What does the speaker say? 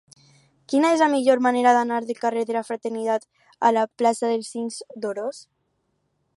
Quina és la millor manera d'anar del carrer de la Fraternitat a la plaça del Cinc d'Oros?